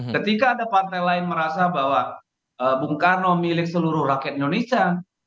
ketika ada partai lain merasa bahwa bung karno milik seluruh rakyat indonesia